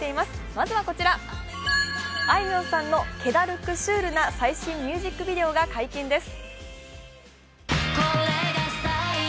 まずはこちら、あいみょんさんのけだるくシュールな最新ミュージックビデオが解禁です。